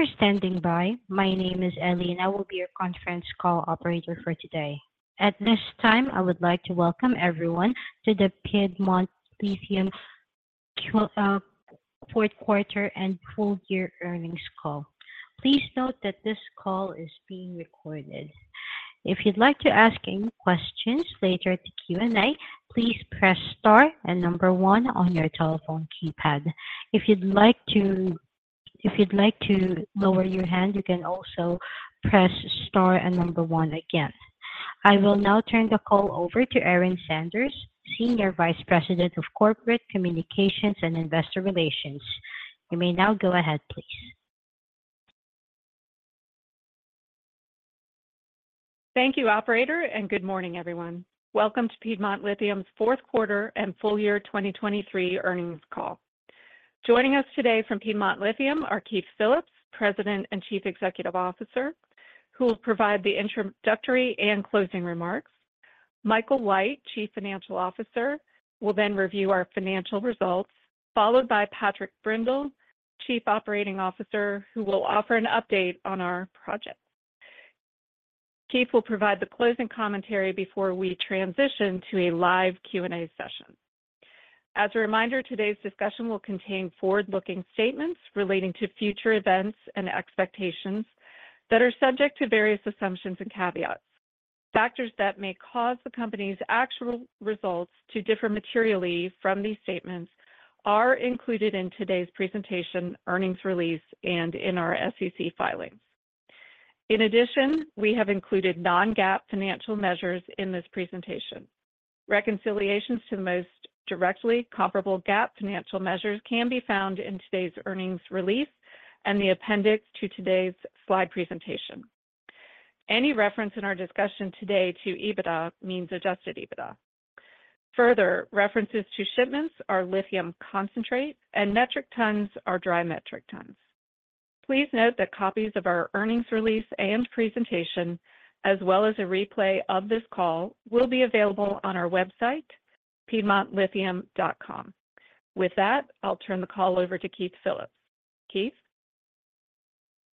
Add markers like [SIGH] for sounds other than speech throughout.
For standing by. My name is Ellie, and I will be your conference call operator for today. At this time, I would like to Welcome everyone to the Piedmont Lithium Q4 Fourth Quarter and Full Year Earnings Call. Please note that this call is being recorded. If you'd like to ask any questions later at the Q&A, please press Star and number one on your telephone keypad. If you'd like to lower your hand, you can also press Star and number one again. I will now turn the call over to Erin Sanders, Senior Vice President of Corporate Communications and Investor Relations. You may now go ahead, please. Thank you, operator, and good morning, everyone. Welcome to Piedmont Lithium's fourth quarter and full year 2023 earnings call. Joining us today from Piedmont Lithium are Keith Phillips, President and Chief Executive Officer, who will provide the introductory and closing remarks. Michael White, Chief Financial Officer, will then review our financial results, followed by Patrick Brindle, Chief Operating Officer, who will offer an update on our projects. Keith will provide the closing commentary before we transition to a live Q&A session. As a reminder, today's discussion will contain forward-looking statements relating to future events and expectations that are subject to various assumptions and caveats. Factors that may cause the company's actual results to differ materially from these statements are included in today's presentation, earnings release, and in our SEC filings. In addition, we have included non-GAAP financial measures in this presentation. Reconciliations to the most directly comparable GAAP financial measures can be found in today's earnings release and the appendix to today's slide presentation. Any reference in our discussion today to EBITDA means adjusted EBITDA. Further, references to shipments are lithium concentrate, and metric tons are dry metric tons. Please note that copies of our earnings release and presentation, as well as a replay of this call, will be available on our website, piedmontlithium.com. With that, I'll turn the call over to Keith Phillips. Keith?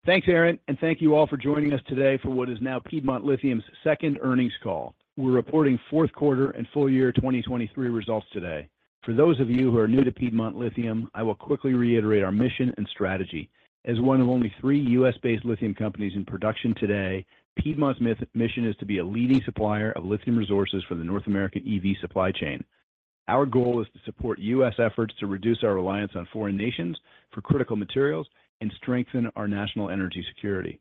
Thanks, Erin, and thank you all for joining us today for what is now Piedmont Lithium's second earnings call. We're reporting fourth quarter and full year 2023 results today. For those of you who are new to Piedmont Lithium, I will quickly reiterate our mission and strategy. As one of only three U.S.-based lithium companies in production today, Piedmont's mission is to be a leading supplier of lithium resources for the North American EV supply chain. Our goal is to support U.S. efforts to reduce our reliance on foreign nations for critical materials and strengthen our national energy security.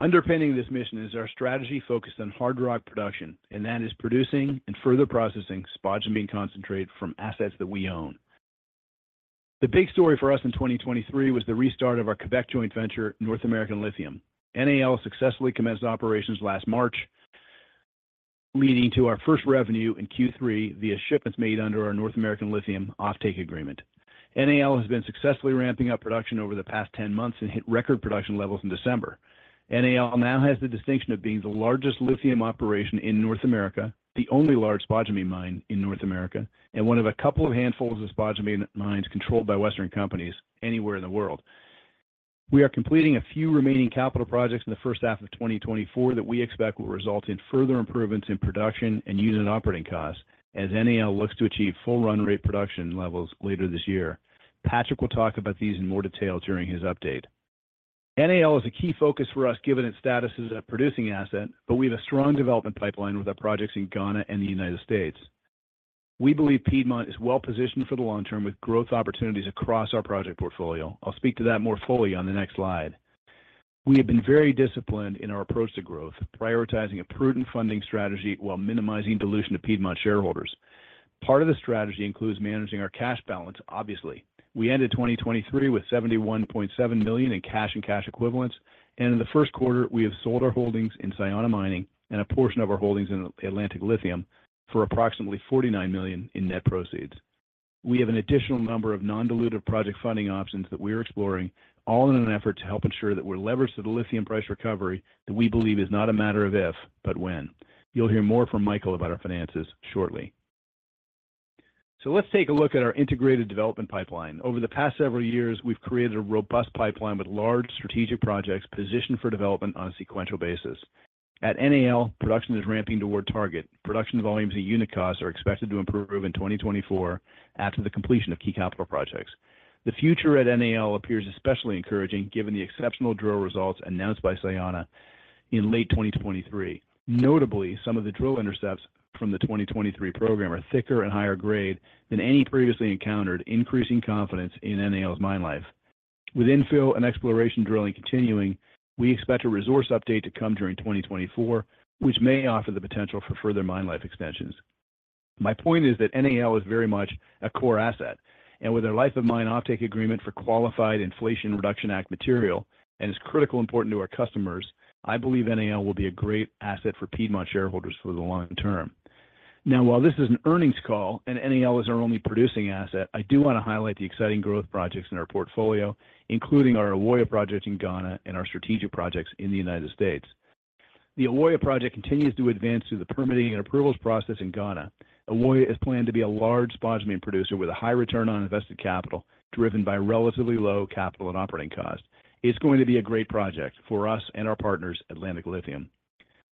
Underpinning this mission is our strategy focused on hard rock production, and that is producing and further processing spodumene concentrate from assets that we own. The big story for us in 2023 was the restart of our Quebec joint venture, North American Lithium. NAL successfully commenced operations last March, leading to our first revenue in Q3 via shipments made under our North American Lithium offtake agreement. NAL has been successfully ramping up production over the past 10 months and hit record production levels in December. NAL now has the distinction of being the largest lithium operation in North America, the only large spodumene mine in North America, and one of a couple of handfuls of spodumene mines controlled by Western companies anywhere in the world. We are completing a few remaining capital projects in the first half of 2024 that we expect will result in further improvements in production and unit operating costs as NAL looks to achieve full run rate production levels later this year. Patrick will talk about these in more detail during his update. NAL is a key focus for us, given its status as a producing asset, but we have a strong development pipeline with our projects in Ghana and the United States. We believe Piedmont is well positioned for the long term, with growth opportunities across our project portfolio. I'll speak to that more fully on the next slide. We have been very disciplined in our approach to growth, prioritizing a prudent funding strategy while minimizing dilution to Piedmont shareholders. Part of the strategy includes managing our cash balance, obviously. We ended 2023 with $71.7 million in cash and cash equivalents, and in the first quarter, we have sold our holdings in Sayona Mining and a portion of our holdings in Atlantic Lithium for approximately $49 million in net proceeds. We have an additional number of non-dilutive project funding options that we are exploring, all in an effort to help ensure that we're leveraged to the lithium price recovery, that we believe is not a matter of if, but when. You'll hear more from Michael about our finances shortly. So let's take a look at our integrated development pipeline. Over the past several years, we've created a robust pipeline with large strategic projects positioned for development on a sequential basis. At NAL, production is ramping toward target. Production volumes and unit costs are expected to improve in 2024 after the completion of key capital projects. The future at NAL appears especially encouraging, given the exceptional drill results announced by Sayona in late 2023. Notably, some of the drill intercepts from the 2023 program are thicker and higher grade than any previously encountered, increasing confidence in NAL's mine life. With infill and exploration drilling continuing, we expect a resource update to come during 2024, which may offer the potential for further mine life extensions. My point is that NAL is very much a core asset, and with their life of mine offtake agreement for qualified Inflation Reduction Act material and is critical important to our customers, I believe NAL will be a great asset for Piedmont shareholders for the long term. Now, while this is an earnings call and NAL is our only producing asset, I do want to highlight the exciting growth projects in our portfolio, including our Ewoyaa project in Ghana and our strategic projects in the United States.... The Ewoyaa project continues to advance through the permitting and approvals process in Ghana. Ewoyaa is planned to be a large spodumene producer with a high return on invested capital, driven by relatively low capital and operating costs. It's going to be a great project for us and our partners, Atlantic Lithium.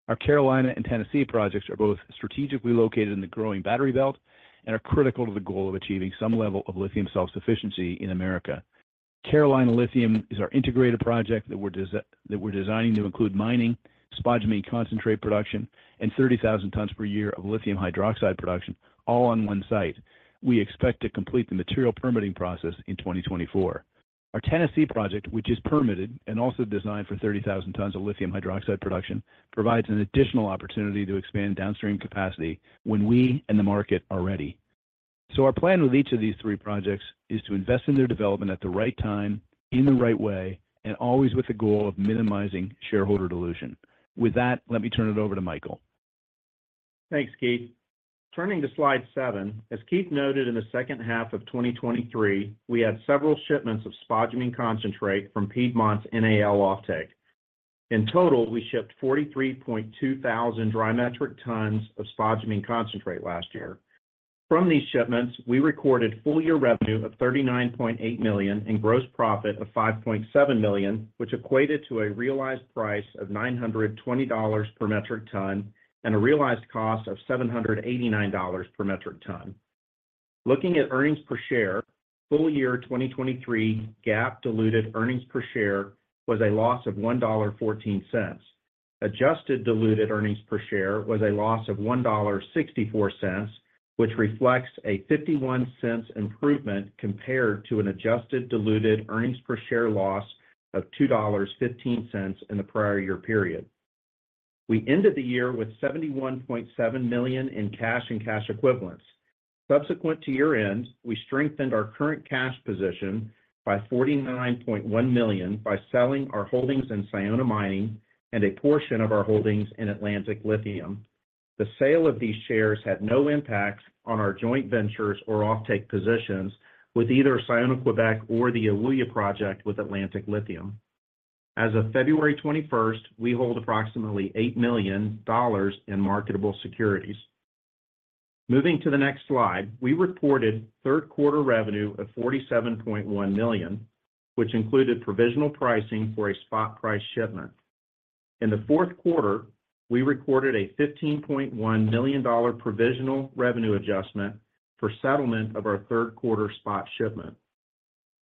Our Carolina and Tennessee projects are both strategically located in the growing battery belt and are critical to the goal of achieving some level of lithium self-sufficiency in America. Carolina Lithium is our integrated project that we're designing to include mining, spodumene concentrate production, and 30,000 tons per year of lithium hydroxide production, all on one site. We expect to complete the material permitting process in 2024. Our Tennessee project, which is permitted and also designed for 30,000 tons of lithium hydroxide production, provides an additional opportunity to expand downstream capacity when we and the market are ready. So our plan with each of these three projects is to invest in their development at the right time, in the right way, and always with the goal of minimizing shareholder dilution. With that, let me turn it over to Michael. Thanks, Keith. Turning to slide seven, as Keith noted, in the second half of 2023, we had several shipments of spodumene concentrate from Piedmont's NAL offtake. In total, we shipped 43,200 dry metric tons of spodumene concentrate last year. From these shipments, we recorded full-year revenue of $39.8 million and gross profit of $5.7 million, which equated to a realized price of $920 per metric ton and a realized cost of $789 per metric ton. Looking at earnings per share, full-year 2023 GAAP diluted earnings per share was a loss of $1.14. Adjusted diluted earnings per share was a loss of $1.64, which reflects a $0.51 improvement compared to an adjusted diluted earnings per share loss of $2.15 in the prior year period. We ended the year with $71.7 million in cash and cash equivalents. Subsequent to year-end, we strengthened our current cash position by $49.1 million by selling our holdings in Sayona Mining and a portion of our holdings in Atlantic Lithium. The sale of these shares had no impact on our joint ventures or offtake positions with either Sayona Quebec or the Ewoyaa project with Atlantic Lithium. As of February 21st, we hold approximately $8 million in marketable securities. Moving to the next slide, we reported third quarter revenue of $47.1 million, which included provisional pricing for a spot price shipment. In the fourth quarter, we recorded a $15.1 million provisional revenue adjustment for settlement of our third quarter spot shipment.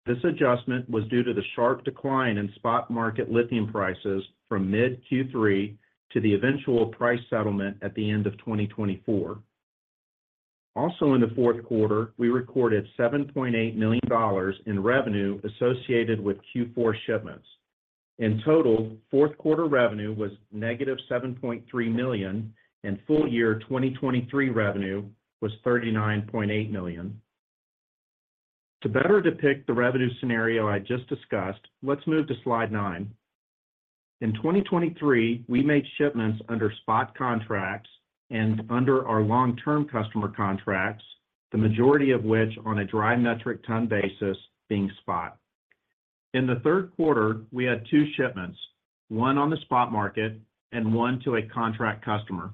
This adjustment was due to the sharp decline in spot market lithium prices from mid Q3 to the eventual price settlement at the end of 2024. Also in the fourth quarter, we recorded $7.8 million in revenue associated with Q4 shipments. In total, fourth quarter revenue was -$7.3 million, and full-year 2023 revenue was $39.8 million. To better depict the revenue scenario I just discussed, let's move to slide nine. In 2023, we made shipments under spot contracts and under our long-term customer contracts, the majority of which on a dry metric ton basis being spot. In the third quarter, we had two shipments, one on the spot market and one to a contract customer.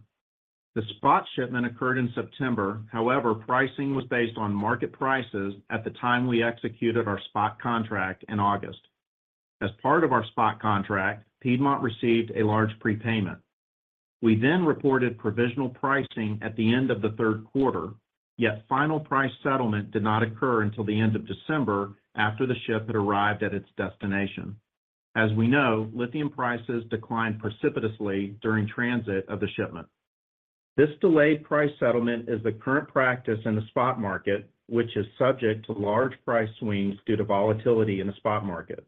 The spot shipment occurred in September. However, pricing was based on market prices at the time we executed our spot contract in August. As part of our spot contract, Piedmont received a large prepayment. We then reported provisional pricing at the end of the third quarter, yet final price settlement did not occur until the end of December, after the ship had arrived at its destination. As we know, lithium prices declined precipitously during transit of the shipment. This delayed price settlement is the current practice in the spot market, which is subject to large price swings due to volatility in the spot market.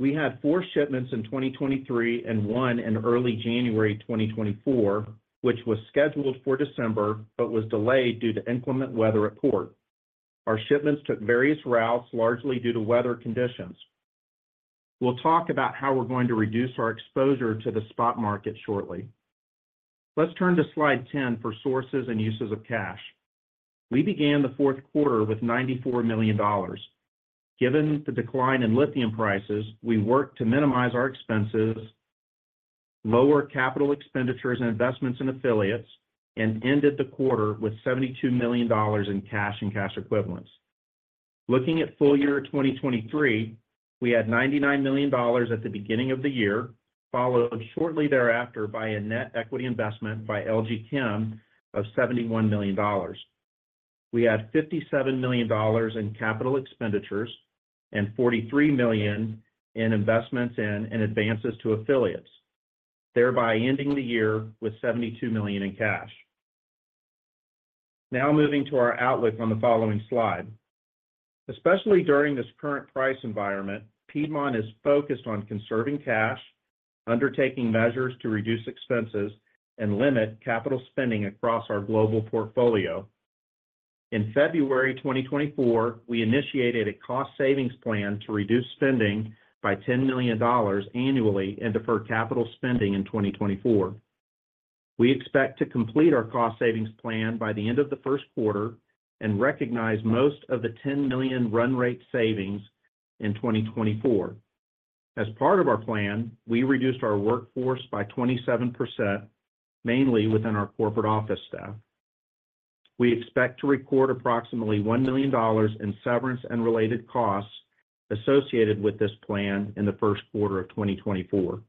We had four shipments in 2023 and one in early January 2024, which was scheduled for December but was delayed due to inclement weather at port. Our shipments took various routes, largely due to weather conditions. We'll talk about how we're going to reduce our exposure to the spot market shortly. Let's turn to slide 10 for sources and uses of cash. We began the fourth quarter with $94 million. Given the decline in lithium prices, we worked to minimize our expenses, lower capital expenditures and investments in affiliates, and ended the quarter with $72 million in cash and cash equivalents. Looking at full year 2023, we had $99 million at the beginning of the year, followed shortly thereafter by a net equity investment by LG Chem of $71 million. We had $57 million in capital expenditures and $43 million in investments and in advances to affiliates, thereby ending the year with $72 million in cash. Now moving to our outlook on the following slide. Especially during this current price environment, Piedmont is focused on conserving cash, undertaking measures to reduce expenses, and limit capital spending across our global portfolio. In February 2024, we initiated a cost savings plan to reduce spending by $10 million annually and deferred capital spending in 2024. We expect to complete our cost savings plan by the end of the first quarter and recognize most of the $10 million run rate savings in 2024. As part of our plan, we reduced our workforce by 27%, mainly within our corporate office staff. We expect to record approximately $1 million in severance and related costs associated with this plan in the first quarter of 2024.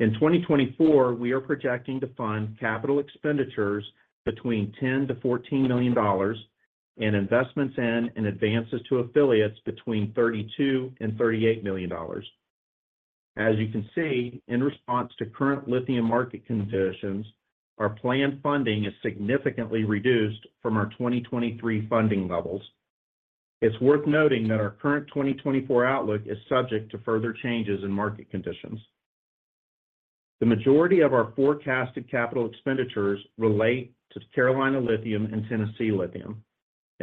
In 2024, we are projecting to fund capital expenditures between $10 million-$14 million, and investments in and advances to affiliates between $32 million and $38 million. As you can see, in response to current lithium market conditions, our planned funding is significantly reduced from our 2023 funding levels. It's worth noting that our current 2024 outlook is subject to further changes in market conditions. The majority of our forecasted capital expenditures relate to Carolina Lithium and Tennessee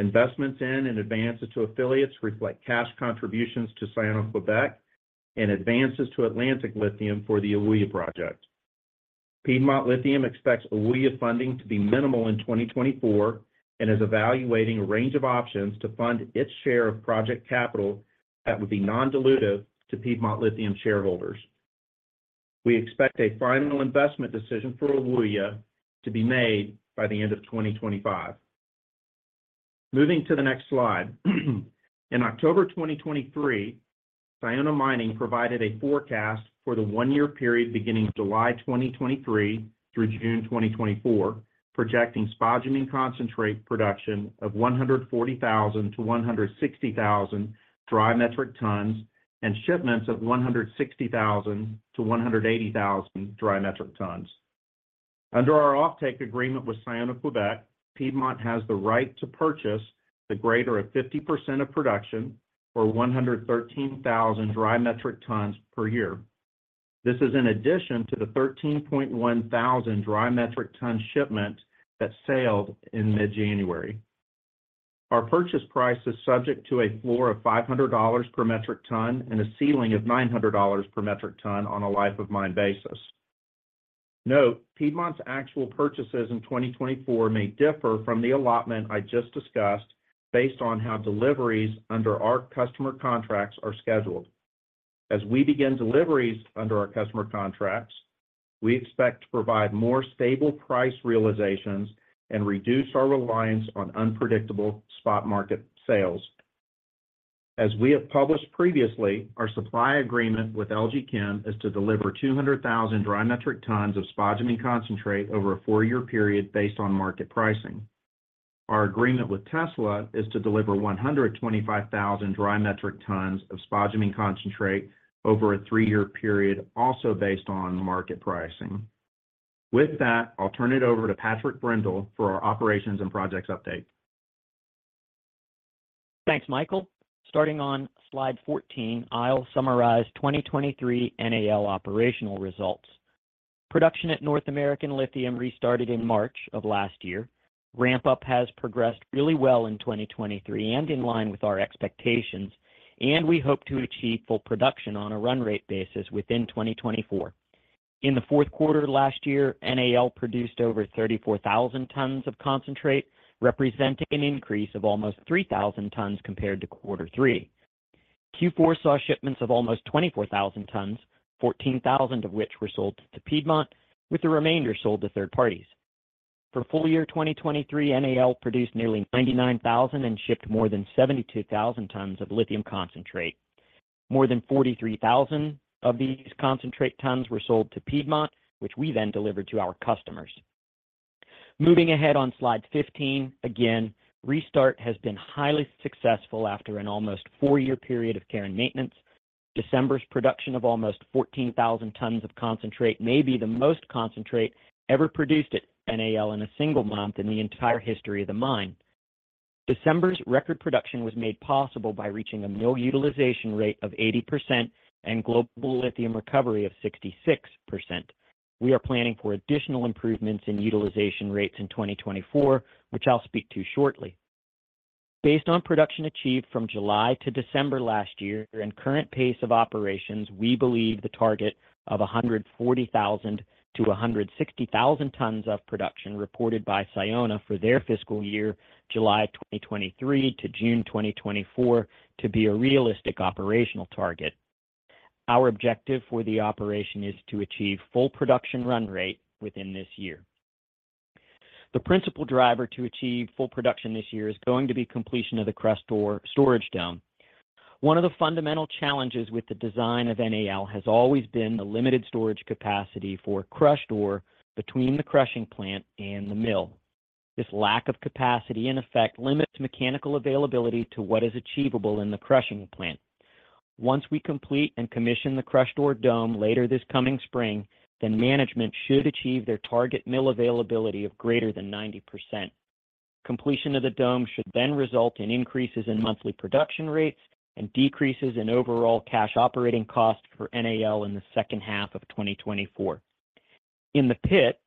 Lithium. Investments in and advances to affiliates reflect cash contributions to Sayona Quebec, and advances to Atlantic Lithium for the Ewoyaa project. Piedmont Lithium expects Ewoyaa funding to be minimal in 2024 and is evaluating a range of options to fund its share of project capital that would be non-dilutive to Piedmont Lithium shareholders. We expect a final investment decision for Ewoyaa to be made by the end of 2025. Moving to the next slide. In October 2023, Sayona Mining provided a forecast for the one-year period beginning July 2023 through June 2024, projecting spodumene concentrate production of 140,000-160,000 dry metric tons, and shipments of 160,000-180,000 dry metric tons. Under our offtake agreement with Sayona Quebec, Piedmont has the right to purchase the greater of 50% of production, or 113,000 dry metric tons per year. This is in addition to the 13,100 dry metric ton shipment that sailed in mid-January. Our purchase price is subject to a floor of $500 per metric ton and a ceiling of $900 per metric ton on a life of mine basis. Note: Piedmont's actual purchases in 2024 may differ from the allotment I just discussed, based on how deliveries under our customer contracts are scheduled. As we begin deliveries under our customer contracts, we expect to provide more stable price realizations and reduce our reliance on unpredictable spot market sales. As we have published previously, our supply agreement with LG Chem is to deliver 200,000 dry metric tons of spodumene concentrate over a four-year period based on market pricing. Our agreement with Tesla is to deliver 125,000 dry metric tons of spodumene concentrate over a three-year period, also based on market pricing. With that, I'll turn it over to Patrick Brindle for our operations and projects update. Thanks, Michael. Starting on slide 14, I'll summarize 2023 NAL operational results. Production at North American Lithium restarted in March of last year. Ramp-up has progressed really well in 2023 and in line with our expectations, and we hope to achieve full production on a run rate basis within 2024. In the fourth quarter last year, NAL produced over 34,000 tons of concentrate, representing an increase of almost 3,000 tons compared to quarter three. Q4 saw shipments of almost 24,000 tons, 14,000 of which were sold to Piedmont, with the remainder sold to third parties. For full year 2023, NAL produced nearly 99,000 and shipped more than 72,000 tons of lithium concentrate. More than 43,000 of these concentrate tons were sold to Piedmont, which we then delivered to our customers. Moving ahead on Slide 15, again, restart has been highly successful after an almost four-year period of care and maintenance. December's production of almost 14,000 tons of concentrate may be the most concentrate ever produced at NAL in a single month in the entire history of the mine. December's record production was made possible by reaching a mill utilization rate of 80% and global lithium recovery of 66%. We are planning for additional improvements in utilization rates in 2024, which I'll speak to shortly. Based on production achieved from July to December last year and current pace of operations, we believe the target of 140,000-160,000 tons of production reported by Sayona for their fiscal year, July 2023 to June 2024, to be a realistic operational target. Our objective for the operation is to achieve full production run rate within this year. The principal driver to achieve full production this year is going to be completion of the crushed ore storage dome. One of the fundamental challenges with the design of NAL has always been the limited storage capacity for crushed ore between the crushing plant and the mill. This lack of capacity, in effect, limits mechanical availability to what is achievable in the crushing plant. Once we complete and commission the crushed ore dome later this coming spring, then management should achieve their target mill availability of greater than 90%. Completion of the dome should then result in increases in monthly production rates and decreases in overall cash operating costs for NAL in the second half of 2024. In the pit-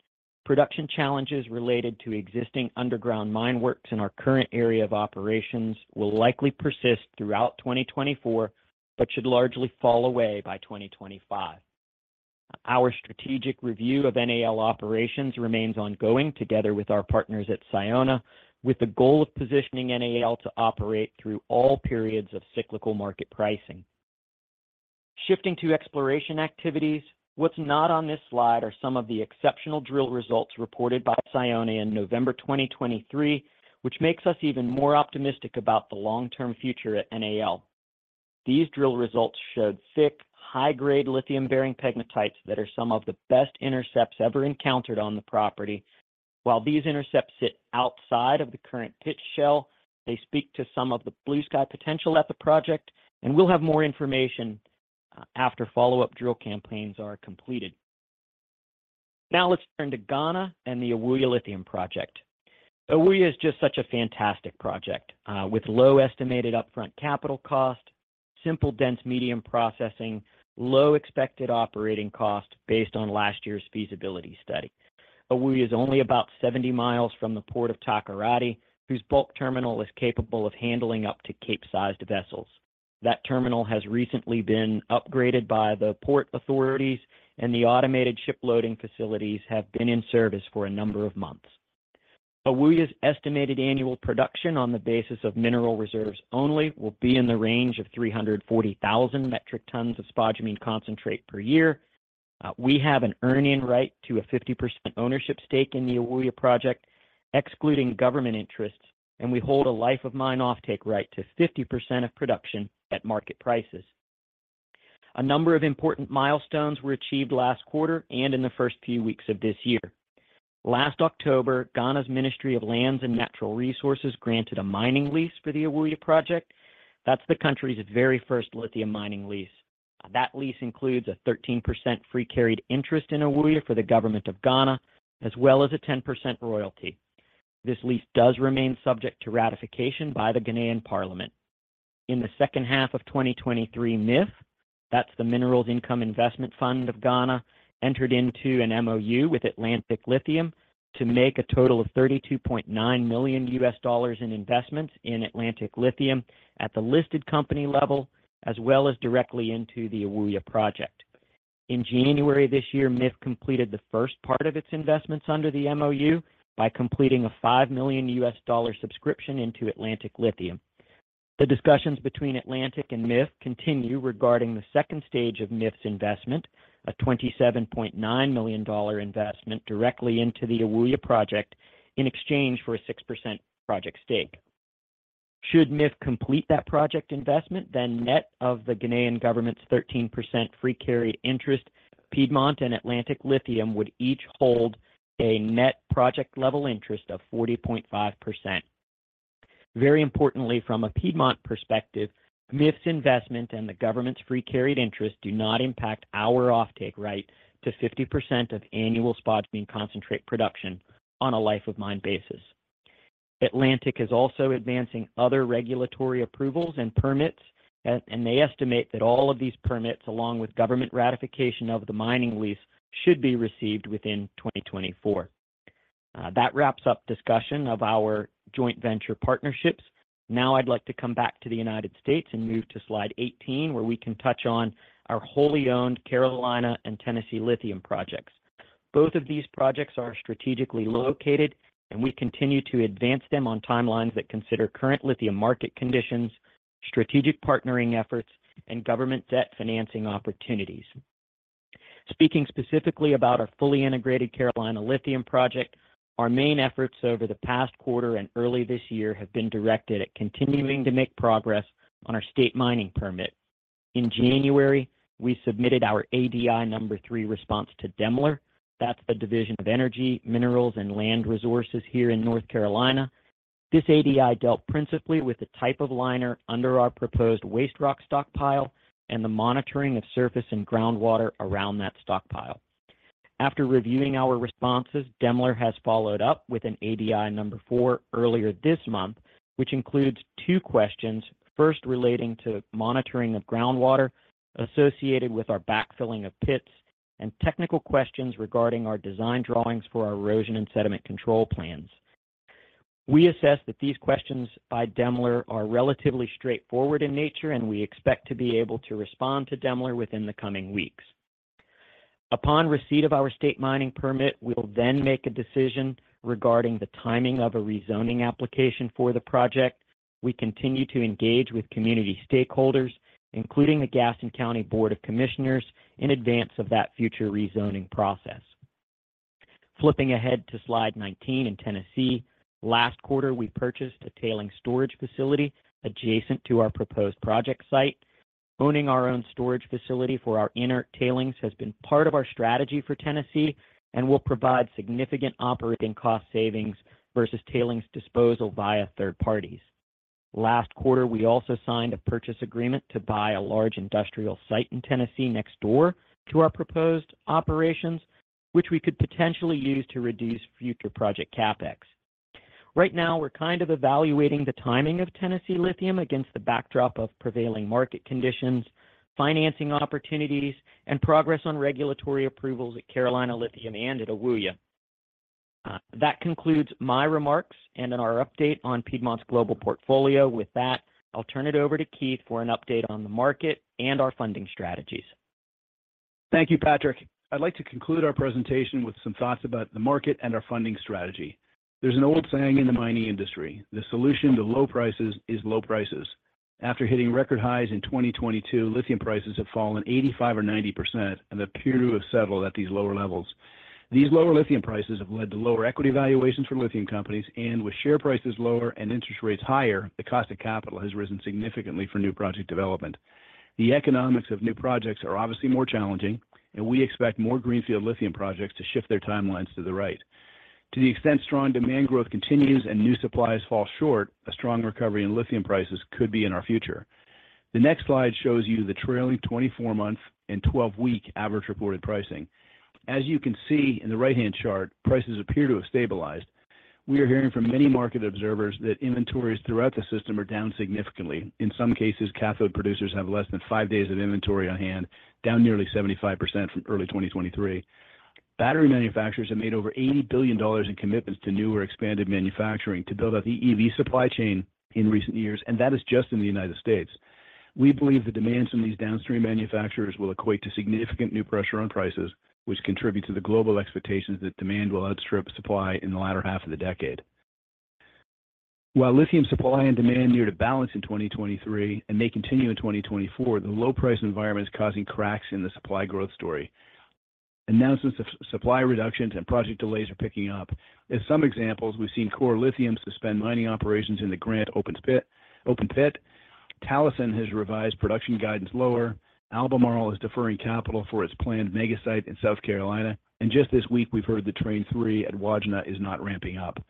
Production challenges related to existing underground mine works in our current area of operations will likely persist throughout 2024, but should largely fall away by 2025. Our strategic review of NAL operations remains ongoing, together with our partners at Sayona, with the goal of positioning NAL to operate through all periods of cyclical market pricing. Shifting to exploration activities, what's not on this slide are some of the exceptional drill results reported by Sayona in November 2023, which makes us even more optimistic about the long-term future at NAL. These drill results showed thick, high-grade lithium-bearing pegmatites that are some of the best intercepts ever encountered on the property. While these intercepts sit outside of the current pit shell, they speak to some of the blue sky potential at the project, and we'll have more information after follow-up drill campaigns are completed. Now let's turn to Ghana and the Ewoyaa Lithium Project. Ewoyaa is just such a fantastic project, with low estimated upfront capital cost, simple, dense medium processing, low expected operating cost based on last year's feasibility study. Ewoyaa is only about 70 miles from the port of Takoradi, whose bulk terminal is capable of handling up to Capesize vessels. That terminal has recently been upgraded by the port authorities, and the automated ship loading facilities have been in service for a number of months. Ewoyaa's estimated annual production on the basis of mineral reserves only, will be in the range of 340,000 metric tons of spodumene concentrate per year. We have an earn-in right to a 50% ownership stake in the Ewoyaa Project, excluding government interests, and we hold a life of mine offtake right to 50% of production at market prices. A number of important milestones were achieved last quarter and in the first few weeks of this year. Last October, Ghana's Ministry of Lands and Natural Resources granted a mining lease for the Ewoyaa project. That's the country's very first lithium mining lease. That lease includes a 13% free carried interest in Ewoyaa for the Government of Ghana, as well as a 10% royalty. This lease does remain subject to ratification by the Ghanaian Parliament. In the second half of 2023, MIIF, that's the Minerals Income Investment Fund of Ghana, entered into an MOU with Atlantic Lithium to make a total of $32.9 million in investments in Atlantic Lithium at the listed company level, as well as directly into the Ewoyaa project. In January this year, MIIF completed the first part of its investments under the MOU by completing a $5 million subscription into Atlantic Lithium. The discussions between Atlantic and MIIF continue regarding the second stage of MIIF's investment, a $27.9 million investment directly into the Ewoyaa project, in exchange for a 6% project stake. Should MIIF complete that project investment, then net of the Ghanaian government's 13% free carry interest, Piedmont and Atlantic Lithium would each hold a net project level interest of 40.5%. Very importantly, from a Piedmont perspective, MIIF's investment and the government's free carried interest do not impact our offtake right to 50% of annual spodumene concentrate production on a life of mine basis. Atlantic is also advancing other regulatory approvals and permits, and they estimate that all of these permits, along with government ratification of the mining lease, should be received within 2024. That wraps up discussion of our joint venture partnerships. Now I'd like to come back to the United States and move to slide 18, where we can touch on our wholly owned Carolina Lithium and Tennessee Lithium projects. Both of these projects are strategically located, and we continue to advance them on timelines that consider current lithium market conditions, strategic partnering efforts, and government debt financing opportunities. Speaking specifically about our fully integrated Carolina Lithium project, our main efforts over the past quarter and early this year have been directed at continuing to make progress on our state mining permit. In January, we submitted our ADI number three response to DEMLR. That's the Division of Energy, Mineral, and Land Resources here in North Carolina. This ADI dealt principally with the type of liner under our proposed waste rock stockpile and the monitoring of surface and groundwater around that stockpile. After reviewing our responses, DEMLR has followed up with an ADI number four earlier this month, which includes two questions, first, relating to monitoring of groundwater associated with our backfilling of pits, and technical questions regarding our design drawings for our erosion and sediment control plans. We assess that these questions by DEMLR are relatively straightforward in nature, and we expect to be able to respond to DEMLR within the coming weeks. Upon receipt of our state mining permit, we'll then make a decision regarding the timing of a rezoning application for the project. We continue to engage with community stakeholders, including the Gaston County Board of Commissioners, in advance of that future rezoning process. Flipping ahead to Slide 19 in Tennessee. Last quarter, we purchased a tailings storage facility adjacent to our proposed project site. Owning our own storage facility for our inert tailings has been part of our strategy for Tennessee and will provide significant operating cost savings versus tailings disposal via third parties. Last quarter, we also signed a purchase agreement to buy a large industrial site in Tennessee next door to our proposed operations, which we could potentially use to reduce future project CapEx. Right now, we're kind of evaluating the timing of Tennessee Lithium against the backdrop of prevailing market conditions, financing opportunities, and progress on regulatory approvals at Carolina Lithium and at Ewoyaa. That concludes my remarks and on our update on Piedmont's global portfolio. With that, I'll turn it over to Keith for an update on the market and our funding strategies. Thank you, Patrick. I'd like to conclude our presentation with some thoughts about the market and our funding strategy. There's an old saying in the mining industry: the solution to low prices is low prices. After hitting record highs in 2022, lithium prices have fallen 85% or 90% and appear to have settled at these lower levels. These lower lithium prices have led to lower equity valuations for lithium companies, and with share prices lower and interest rates higher, the cost of capital has risen significantly for new project development. The economics of new projects are obviously more challenging, and we expect more greenfield lithium projects to shift their timelines to the right. To the extent strong demand growth continues and new supplies fall short, a strong recovery in lithium prices could be in our future. The next slide shows you the trailing 24-month and 12-week average reported pricing. As you can see in the right-hand chart, prices appear to have stabilized. We are hearing from many market observers that inventories throughout the system are down significantly. In some cases, cathode producers have less than five days of inventory on hand, down nearly 75% from early 2023. Battery manufacturers have made over $80 billion in commitments to new or expanded manufacturing to build out the EV supply chain in recent years, and that is just in the United States. We believe the demands from these downstream manufacturers will equate to significant new pressure on prices, which contribute to the global expectations that demand will outstrip supply in the latter half of the decade. While lithium supply and demand near to balance in 2023 and may continue in 2024, the low price environment is causing cracks in the supply growth story. Announcements of supply reductions and project delays are picking up. As some examples, we've seen Core Lithium suspend mining operations in the Grants Open Pit. Talison Lithium has revised production guidance lower. Albemarle is deferring capital for its planned mega site in South Carolina, and just this week we've heard the Train Three at Wodgina is not ramping up.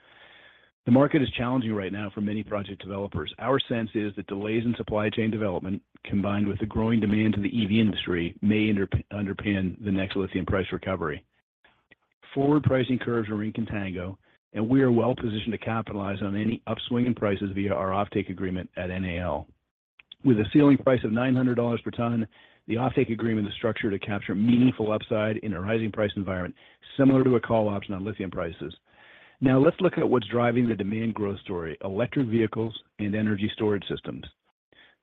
The market is challenging right now for many project developers. Our sense is that delays in supply chain development, combined with the growing demand to the EV industry, may underpin the next lithium price recovery. Forward pricing curves are in contango, and we are well positioned to capitalize on any upswing in prices via our offtake agreement at NAL. With a ceiling price of $900 per ton, the offtake agreement is structured to capture meaningful upside in a rising price environment, similar to a call option on lithium prices. Now, let's look at what's driving the demand growth story: electric vehicles and energy storage systems.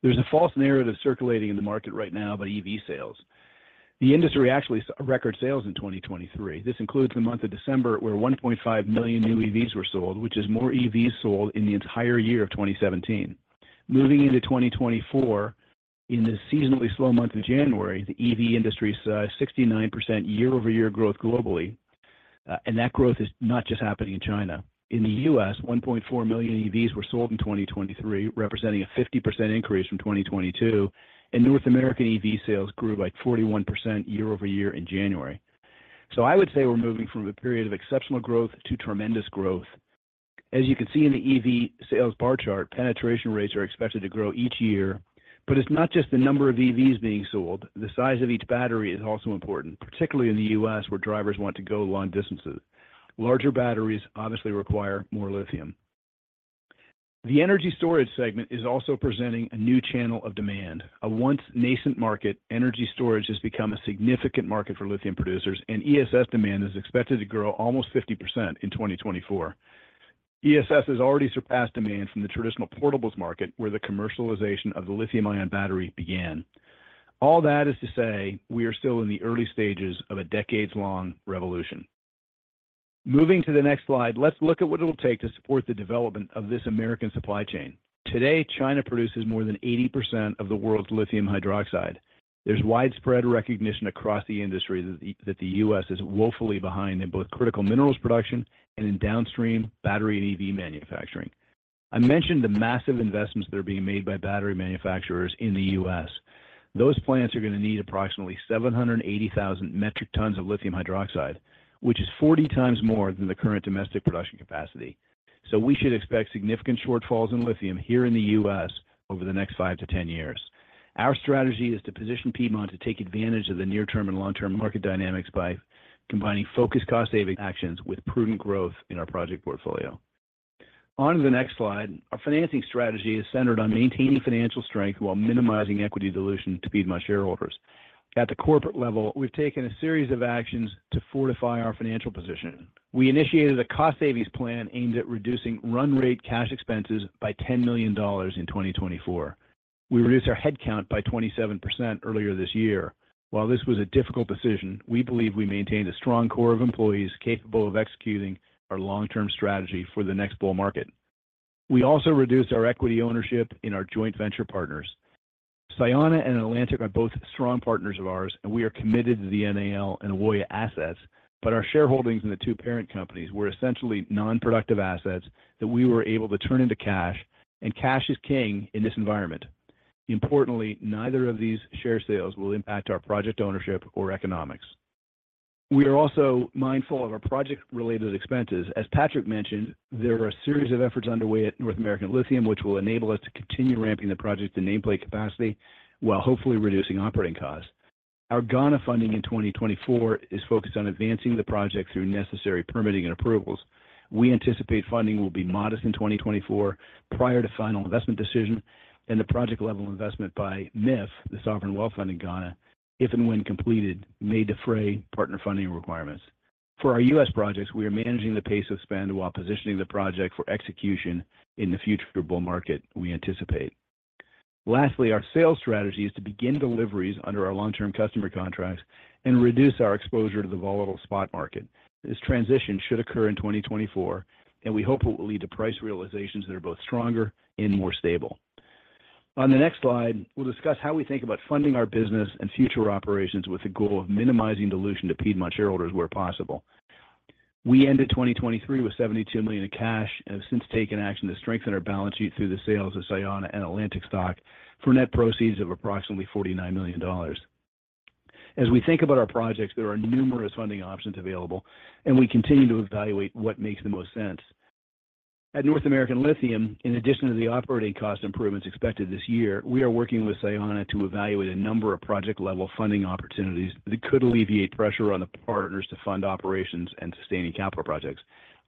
There's a false narrative circulating in the market right now about EV sales. The industry actually saw record sales in 2023. This includes the month of December, where 1.5 million new EVs were sold, which is more EVs sold in the entire year of 2017. Moving into 2024, in the seasonally slow month of January, the EV industry saw 69% year-over-year growth globally, and that growth is not just happening in China. In the U.S., 1.4 million EVs were sold in 2023, representing a 50% increase from 2022, and North American EV sales grew by 41% year-over-year in January. So I would say we're moving from a period of exceptional growth to tremendous growth. As you can see in the EV sales bar chart, penetration rates are expected to grow each year. But it's not just the number of EVs being sold. The size of each battery is also important, particularly in the U.S., where drivers want to go long distances. Larger batteries obviously require more lithium. The energy storage segment is also presenting a new channel of demand. A once nascent market, energy storage has become a significant market for lithium producers, and ESS demand is expected to grow almost 50% in 2024. ESS has already surpassed demand from the traditional portables market, where the commercialization of the lithium-ion battery began. All that is to say, we are still in the early stages of a decades-long revolution. Moving to the next slide, let's look at what it'll take to support the development of this American supply chain. Today, China produces more than 80% of the world's lithium hydroxide. There's widespread recognition across the industry that the U.S. is woefully behind in both critical minerals production and in downstream battery and EV manufacturing. I mentioned the massive investments that are being made by battery manufacturers in the U.S. Those plants are going to need approximately 780,000 metric tons of lithium hydroxide, which is 40 times more than the current domestic production capacity. So we should expect significant shortfalls in lithium here in the U.S. over the next five-10 years. Our strategy is to position Piedmont to take advantage of the near-term and long-term market dynamics by combining focused cost-saving actions with prudent growth in our project portfolio. On to the next slide. Our financing strategy is centered on maintaining financial strength while minimizing equity dilution to Piedmont shareholders. At the corporate level, we've taken a series of actions to fortify our financial position. We initiated a cost savings plan aimed at reducing run rate cash expenses by $10 million in 2024. We reduced our headcount by 27% earlier this year. While this was a difficult decision, we believe we maintained a strong core of employees capable of executing our long-term strategy for the next bull market. We also reduced our equity ownership in our joint venture partners. Sayona and Atlantic are both strong partners of ours, and we are committed to the NAL and Ewoyaa assets, but our shareholdings in the two parent companies were essentially non-productive assets that we were able to turn into cash, and cash is king in this environment. Importantly, neither of these share sales will impact our project ownership or economics. We are also mindful of our project-related expenses. As Patrick mentioned, there are a series of efforts underway at North American Lithium, which will enable us to continue ramping the project to nameplate capacity while hopefully reducing operating costs. Our Ghana funding in 2024 is focused on advancing the project through necessary permitting and approvals. We anticipate funding will be modest in 2024 prior to final investment decision, and the project level investment by MIIF, the Sovereign Wealth Fund in Ghana, if and when completed, may defray partner funding requirements. For our U.S. projects, we are managing the pace of spend while positioning the project for execution in the future bull market we anticipate. Lastly, our sales strategy is to begin deliveries under our long-term customer contracts and reduce our exposure to the volatile spot market. This transition should occur in 2024, and we hope it will lead to price realizations that are both stronger and more stable. On the next slide, we'll discuss how we think about funding our business and future operations with the goal of minimizing dilution to Piedmont shareholders where possible. We ended 2023 with $72 million in cash, and have since taken action to strengthen our balance sheet through the sales of Sayona and Atlantic stock for net proceeds of approximately $49 million. As we think about our projects, there are numerous funding options available, and we continue to evaluate what makes the most sense. At North American Lithium, in addition to the operating cost improvements expected this year, we are working with Sayona to evaluate a number of project-level funding opportunities that could alleviate pressure on the partners to fund operations and sustaining capital projects.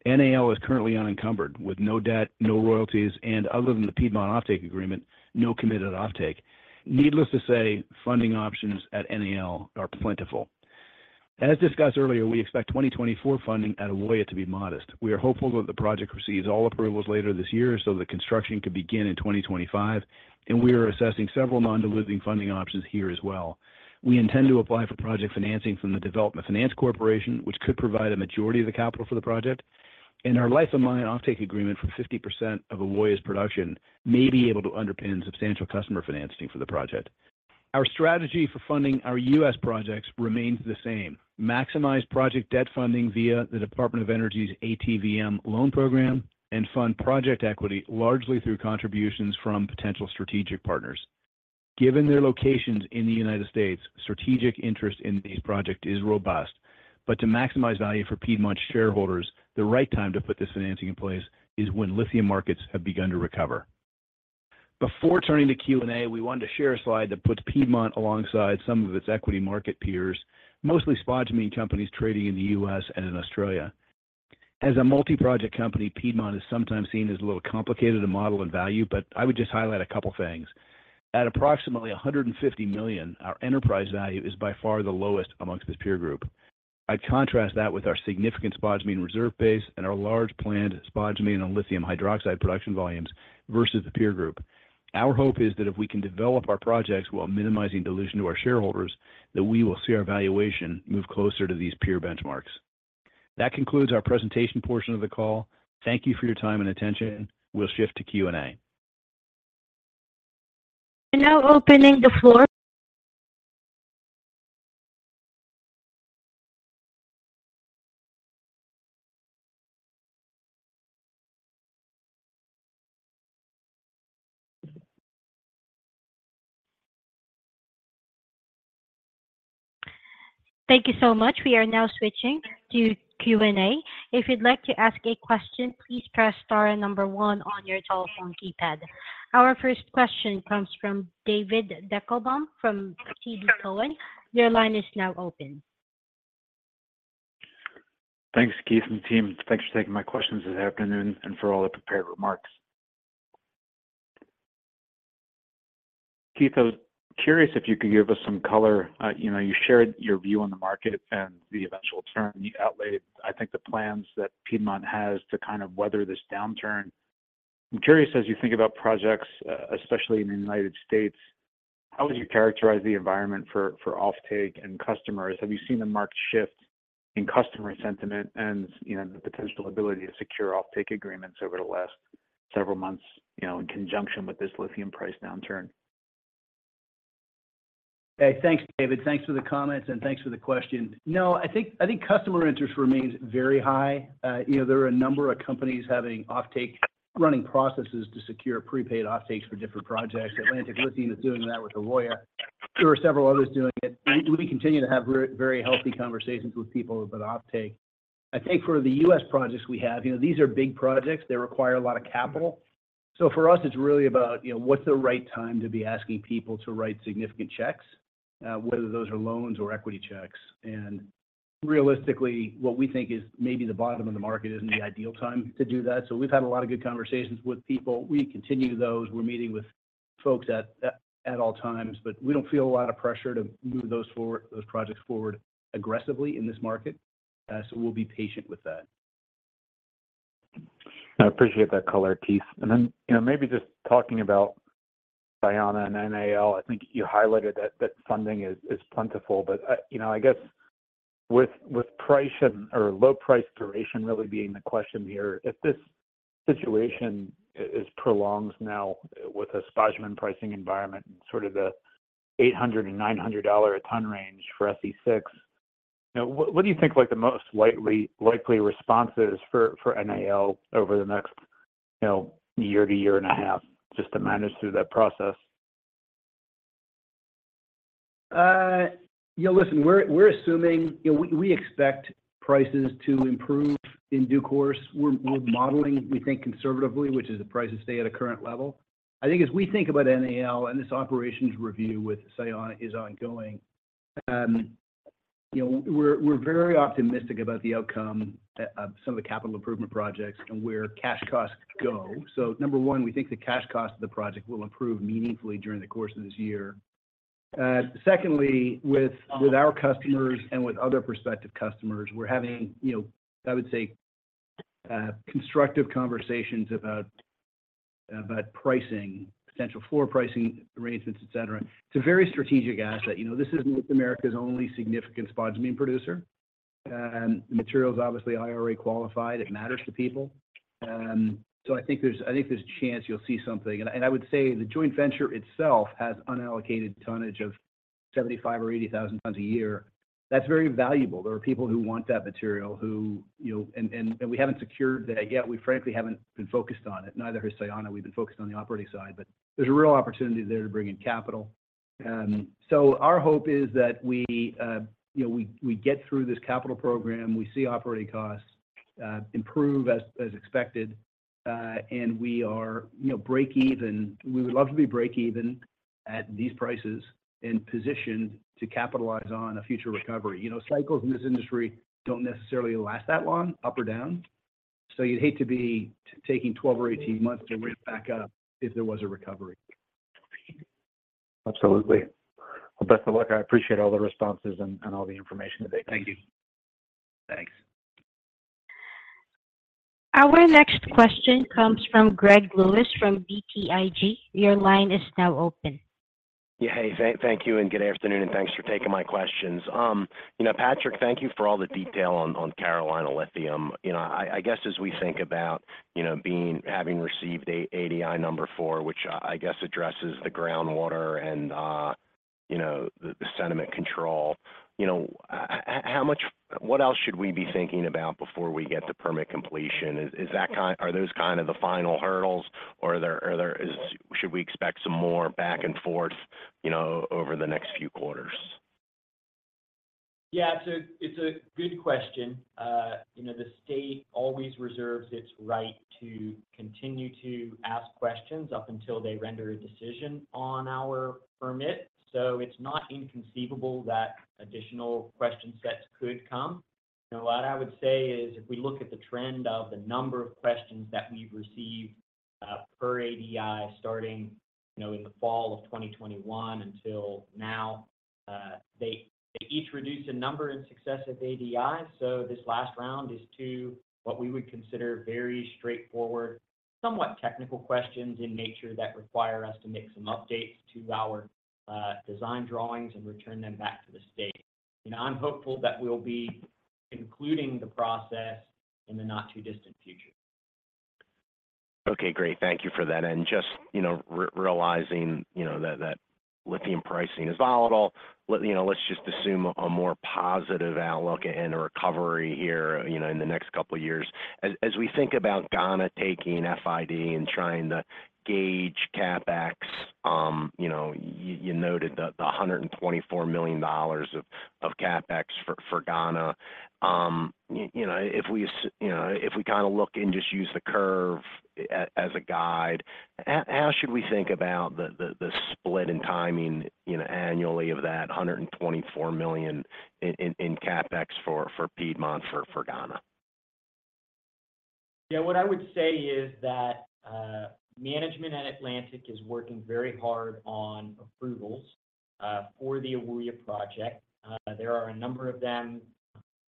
NAL is currently unencumbered, with no debt, no royalties, and other than the Piedmont offtake agreement, no committed offtake. Needless to say, funding options at NAL are plentiful. As discussed earlier, we expect 2024 funding at Ewoyaa to be modest. We are hopeful that the project receives all approvals later this year, so the construction could begin in 2025, and we are assessing several non-diluting funding options here as well. We intend to apply for project financing from the Development Finance Corporation, which could provide a majority of the capital for the project, and our life of mine offtake agreement for 50% of Ewoyaa's production may be able to underpin substantial customer financing for the project. Our strategy for funding our U.S. projects remains the same: maximize project debt funding via the Department of Energy's ATVM loan program, and fund project equity largely through contributions from potential strategic partners. Given their locations in the United States, strategic interest in these projects is robust. But to maximize value for Piedmont shareholders, the right time to put this financing in place is when lithium markets have begun to recover. Before turning to Q&A, we wanted to share a slide that puts Piedmont alongside some of its equity market peers, mostly spodumene companies trading in the U.S. and in Australia. As a multi-project company, Piedmont is sometimes seen as a little complicated to model and value, but I would just highlight a couple of things. At approximately $150 million, our enterprise value is by far the lowest among this peer group. I'd contrast that with our significant spodumene reserve base and our large planned spodumene and lithium hydroxide production volumes versus the peer group. Our hope is that if we can develop our projects while minimizing dilution to our shareholders, that we will see our valuation move closer to these peer benchmarks. That concludes our presentation portion of the call. Thank you for your time and attention. We'll shift to Q&A. We're now opening the floor. Thank you so much. We are now switching to Q&A. If you'd like to ask a question, please press star and number one on your telephone keypad. Our first question comes from David Deckelbaum from TD Cowen. Your line is now open. Thanks, Keith and team. Thanks for taking my questions this afternoon and for all the prepared remarks. Keith, I was curious if you could give us some color. You know, you shared your view on the market and the eventual turn. You outlaid, I think the plans that Piedmont has to kind of weather this downturn. I'm curious, as you think about projects, especially in the United States, how would you characterize the environment for offtake and customers? Have you seen a marked shift in customer sentiment and, you know, the potential ability to secure offtake agreements over the last several months, you know, in conjunction with this lithium price downturn? Hey, thanks, David. Thanks for the comments, and thanks for the question. No, I think, I think customer interest remains very high. You know, there are a number of companies having offtake running processes to secure prepaid offtakes for different projects. Atlantic Lithium is doing that with Ewoyaa. There are several others doing it. We, we continue to have very healthy conversations with people about offtake. I think for the U.S. projects we have, you know, these are big projects. They require a lot of capital. So for us, it's really about, you know, what's the right time to be asking people to write significant checks, whether those are loans or equity checks. And realistically, what we think is maybe the bottom of the market isn't the ideal time to do that. So we've had a lot of good conversations with people. We continue those. We're meeting with folks at all times, but we don't feel a lot of pressure to move those projects forward aggressively in this market. So we'll be patient with that. I appreciate that color, Keith. Then, you know, maybe just talking about Sayona and NAL, I think you highlighted that funding is plentiful, but, you know, I guess with price and or low price duration really being the question here, if this situation is prolonged now with a spodumene pricing environment and sort of the $800-$900 a ton range for SC6, now, what do you think are the most likely responses for NAL over the next, you know, year to year and a half, just to manage through that process? Yeah, listen, we're, we're assuming. You know, we, we expect prices to improve in due course, we're, we're modeling, we think conservatively, which is the prices stay at a current level. I think as we think about NAL and this operations review with Sayona is ongoing, you know, we're, we're very optimistic about the outcome of some of the capital improvement projects and where cash costs go. So number one, we think the cash cost of the project will improve meaningfully during the course of this year. Secondly, with, with our customers and with other prospective customers, we're having, you know, I would say, constructive conversations about, about pricing, potential floor pricing arrangements, et cetera. It's a very strategic asset. You know, this is North America's only significant spodumene producer. The material is obviously IRA qualified. It matters to people. So I think there's, I think there's a chance you'll see something. And I would say the joint venture itself has unallocated tonnage of 75,000 or 80,000 tons a year. That's very valuable. There are people who want that material, who, you know. And we haven't secured that yet. We frankly haven't been focused on it, neither has Sayona. We've been focused on the operating side, but there's a real opportunity there to bring in capital. So our hope is that we, you know, we get through this capital program, we see operating costs improve as expected, and we are, you know, break even. We would love to be break even at these prices and positioned to capitalize on a future recovery. You know, cycles in this industry don't necessarily last that long, up or down, so you'd hate to be taking 12 or 18 months to ramp back up if there was a recovery. Absolutely. Well, best of luck. I appreciate all the responses and all the information today. Thank you. Thanks. Our next question comes from Greg Lewis from BTIG. Your line is now open. Yeah, hey, thank, thank you, and good afternoon, and thanks for taking my questions. You know, Patrick, thank you for all the detail on, on Carolina Lithium. You know, I, I guess, as we think about, you know, having received ADI number four, which, I guess addresses the groundwater and, you know, the sediment control, you know, how much what else should we be thinking about before we get the permit completion? Is that kind are those kind of the final hurdles, or are there, are there. Should we expect some more back and forth, you know, over the next few quarters? Yeah, it's a, it's a good question. You know, the state always reserves its right to continue to ask questions up until they render a decision on our permit. So it's not inconceivable that additional question sets could come. You know, what I would say is, if we look at the trend of the number of questions that we've received per ADI starting, you know, in the fall of 2021 until now, they each reduce the number and success of ADI. So this last round is to what we would consider very straightforward, somewhat technical questions in nature that require us to make some updates to our design drawings and return them back to the state. And I'm hopeful that we'll be concluding the process in the not-too-distant future. Okay, great. Thank you for that. And just, you know, realizing, you know, that that lithium pricing is volatile, you know, let's just assume a more positive outlook and a recovery here, you know, in the next couple of years. As we think about Ghana taking FID and trying to gauge CapEx, you know, you noted the $124 million of CapEx for Ghana. You know, if we kinda look and just use the curve as a guide, how should we think about the split and timing, you know, annually of that $124 million in CapEx for Piedmont, for Ghana? Yeah, what I would say is that management at Atlantic is working very hard on approvals for the Ewoyaa project. There are a number of them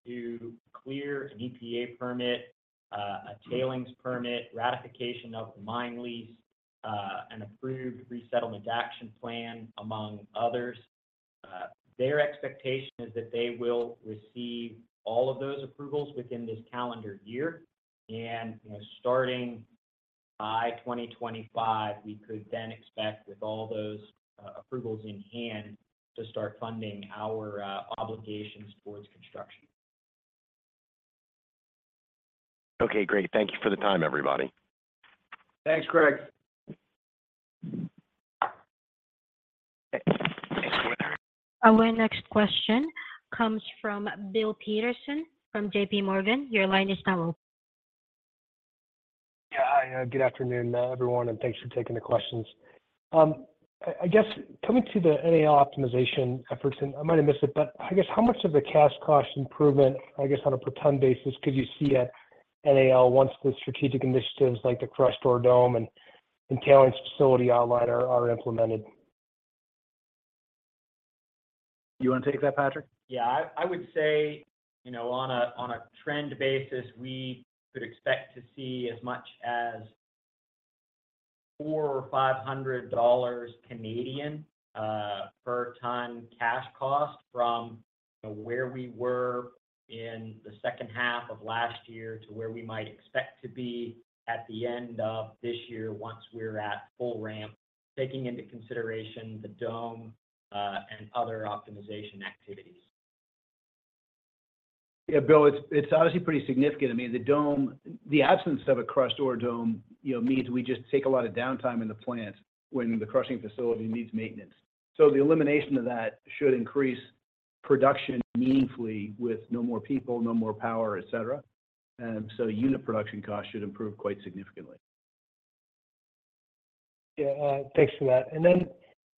to clear: an EPA permit, a tailings permit, ratification of the mine lease, an approved resettlement action plan, among others. Their expectation is that they will receive all of those approvals within this calendar year. And, you know, starting by 2025, we could then expect, with all those approvals in hand, to start funding our obligations towards construction. Okay, great. Thank you for the time, everybody. Thanks, Greg. Our next question comes from Bill Peterson from JPMorgan. Your line is now open. Yeah, hi, good afternoon, everyone, and thanks for taking the questions. I guess coming to the NAL optimization efforts, and I might have missed it, but I guess, how much of the cash cost improvement, I guess, on a per ton basis, could you see at NAL once the strategic initiatives like the crusher dome and tailings facility outline are implemented? You want to take that, Patrick? Yeah, I would say, you know, on a trend basis, we could expect to see as much as 400-500 dollars per ton cash cost from where we were in the second half of last year to where we might expect to be at the end of this year once we're at full ramp, taking into consideration the dome and other optimization activities. Yeah, Bill, it's obviously pretty significant. I mean, the dome, the absence of a crushed ore dome, you know, means we just take a lot of downtime in the plant when the crushing facility needs maintenance. So the elimination of that should increase production meaningfully with no more people, no more power, et cetera. So unit production costs should improve quite significantly. Yeah, thanks for that. And then,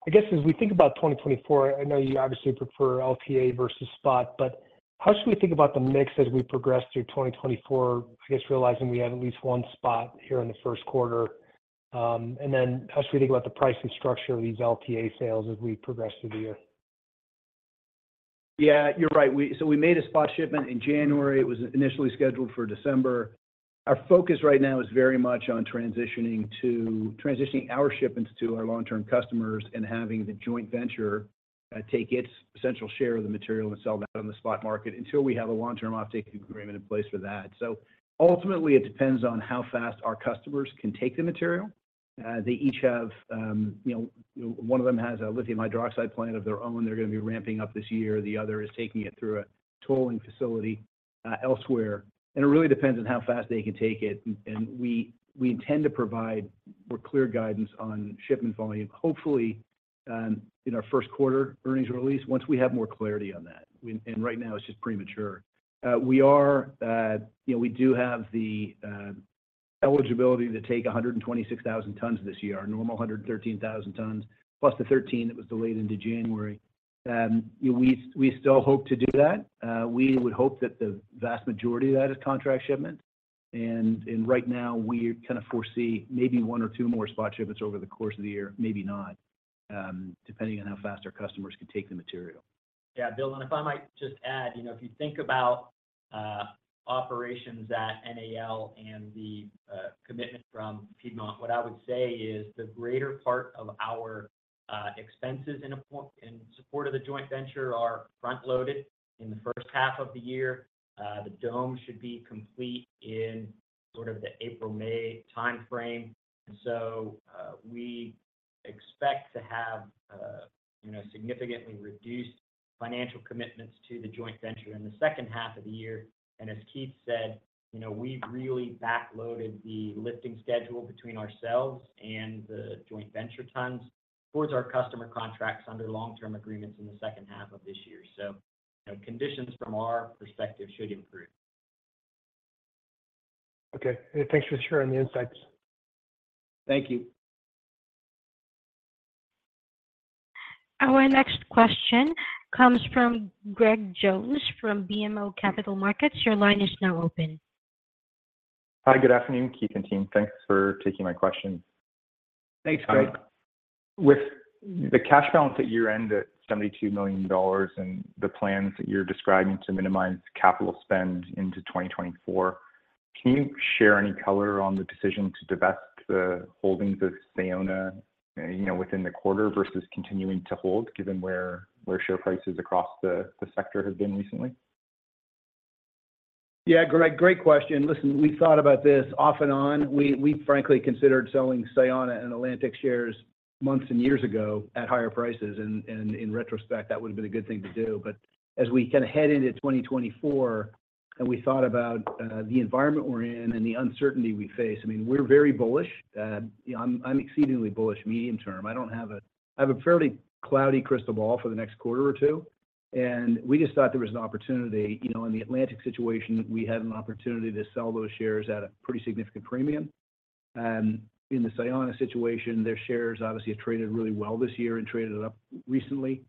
I guess as we think about 2024, I know you obviously prefer LTA versus spot, but how should we think about the mix as we progress through 2024? I guess realizing we had at least one spot here in the first quarter. And then how should we think about the pricing structure of these LTA sales as we progress through the year? Yeah, you're right. We made a spot shipment in January. It was initially scheduled for December. Our focus right now is very much on transitioning our shipments to our long-term customers and having the joint venture take its essential share of the material and sell that on the spot market until we have a long-term offtake agreement in place for that. So ultimately, it depends on how fast our customers can take the material. They each have, you know, one of them has a lithium hydroxide plant of their own. They're gonna be ramping up this year. The other is taking it through a tolling facility elsewhere, and it really depends on how fast they can take it. And we intend to provide more clear guidance on shipment volume, hopefully, in our first quarter earnings release, once we have more clarity on that. And right now it's just premature. We are, you know, we do have the eligibility to take 126,000 tons this year, our normal 113,000 tons, plus the 13 that was delayed into January. We still hope to do that. We would hope that the vast majority of that is contract shipment. And right now we kind of foresee maybe one or two more spot shipments over the course of the year, maybe not, depending on how fast our customers can take the material. Yeah, Bill, and if I might just add, you know, if you think about operations at NAL and the commitment from Piedmont, what I would say is the greater part of our expenses in support of the joint venture are front-loaded in the first half of the year. The dome should be complete in sort of the April-May time frame. So, we expect to have, you know, significantly reduced financial commitments to the joint venture in the second half of the year. And as Keith said, you know, we've really backloaded the lifting schedule between ourselves and the joint venture tons towards our customer contracts under long-term agreements in the second half of this year. So, you know, conditions from our perspective should improve. Okay. Thanks for sharing the insights. Thank you. Our next question comes from Greg Jones, from BMO Capital Markets. Your line is now open. Hi, good afternoon, Keith and team. Thanks for taking my questions. Thanks, Greg. With the cash balance at year-end at $72 million, and the plans that you're describing to minimize capital spend into 2024, can you share any color on the decision to divest the holdings of Sayona, you know, within the quarter versus continuing to hold, given where, where share prices across the, the sector have been recently? Yeah, Greg, great question. Listen, we thought about this off and on. We frankly considered selling Sayona and Atlantic shares months and years ago at higher prices, and in retrospect, that would have been a good thing to do. But as we kind of head into 2024 and we thought about the environment we're in and the uncertainty we face, I mean, we're very bullish. You know, I'm exceedingly bullish medium term. I have a fairly cloudy crystal ball for the next quarter or two, and we just thought there was an opportunity. You know, in the Atlantic situation, we had an opportunity to sell those shares at a pretty significant premium. In the Sayona situation, their shares obviously have traded really well this year and traded up recently,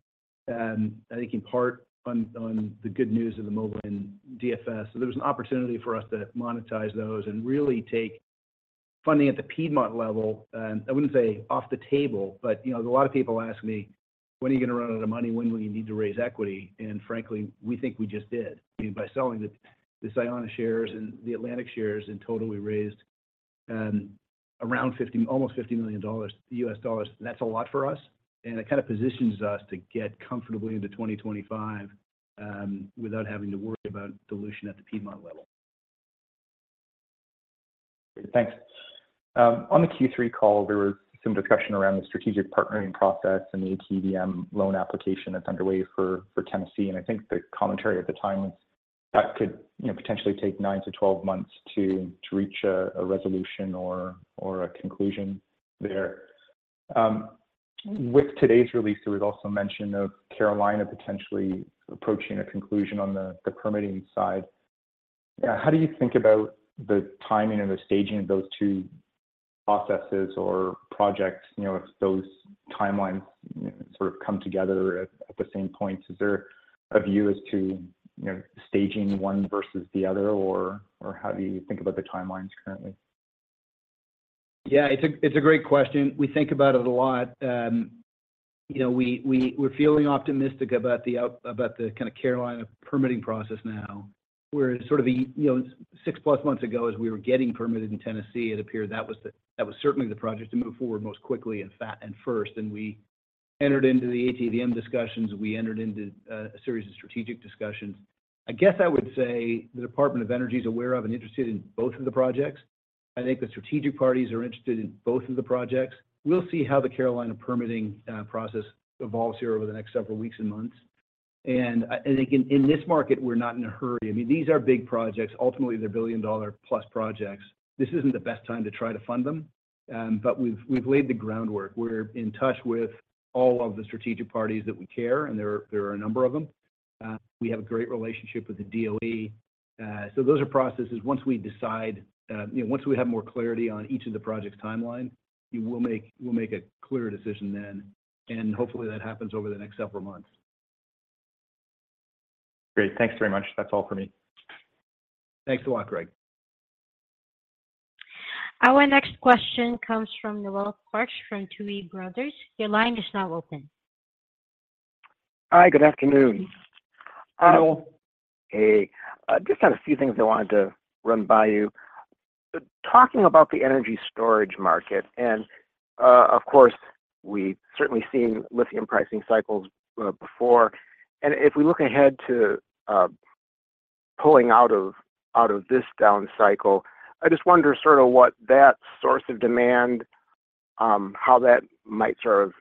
I think in part on, on the good news of the Moblan and DFS. So there was an opportunity for us to monetize those and really take funding at the Piedmont level, and I wouldn't say off the table, but, you know, a lot of people ask me: "When are you gonna run out of money? When will you need to raise equity?" And frankly, we think we just did. I mean, by selling the Sayona shares and the Atlantic shares, in total, we raised around $50, almost $50 million. That's a lot for us, and it kind of positions us to get comfortably into 2025 without having to worry about dilution at the Piedmont level. Thanks. On the Q3 call, there was some discussion around the strategic partnering process and the ATVM loan application that's underway for Tennessee. And I think the commentary at the time was that could, you know, potentially take nine-12 months to reach a resolution or a conclusion there. With today's release, there was also mention of Carolina potentially approaching a conclusion on the permitting side. How do you think about the timing and the staging of those two processes or projects? You know, if those timelines sort of come together at the same point, is there a view as to staging one versus the other, or how do you think about the timelines currently? Yeah, it's a great question. We think about it a lot. You know, we're feeling optimistic about the Carolina permitting process now, where sort of the, you know, six-plus months ago, as we were getting permitted in Tennessee, it appeared that was certainly the project to move forward most quickly and first. And we entered into the ATVM discussions, we entered into a series of strategic discussions. I guess I would say the Department of Energy is aware of and interested in both of the projects. I think the strategic parties are interested in both of the projects. We'll see how the Carolina permitting process evolves here over the next several weeks and months. And, and I think in, in this market, we're not in a hurry. I mean, these are big projects. Ultimately, they're billion-dollar-plus projects. This isn't the best time to try to fund them, but we've laid the groundwork. We're in touch with all of the strategic parties that we care about, and there are a number of them. We have a great relationship with the DOE. So those are processes. Once we decide, you know, once we have more clarity on each of the project's timeline, we'll make a clearer decision then, and hopefully, that happens over the next several months. Great. Thanks very much. That's all for me. Thanks a lot, Greg. Our next question comes from Noel Parks from Tuohy Brothers. Your line is now open. Hi, good afternoon. [AUDIO DISTORTION] Hey, just had a few things I wanted to run by you. Talking about the energy storage market, and, of course, we've certainly seen lithium pricing cycles, before. And if we look ahead to, pulling out of, out of this down cycle, I just wonder sort of what that source of demand, how that might sort of